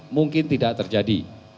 mungkin tidak terjadi